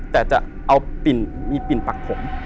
แต่จะเอามีปิ่นปักผม